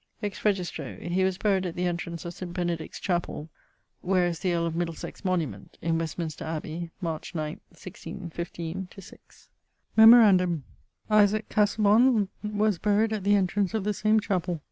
Ex registro: he was buryed at the entrance of St. Benedict's chapell where the earl of Middlesex' monument, in Westminster Abbey, March 9, 1615/6[XX.]. [XX.] Memorandum: Isaac Casaubon was buryed at the entrance of the same chapell.